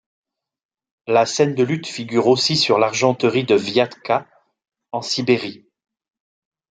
La scène de lutte figure aussi sur l'argenterie de Vjatka, en Sibérie.